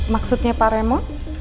maksudnya pak remo